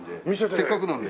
せっかくなので。